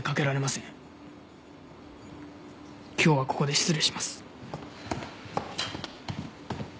今日はここで失礼します。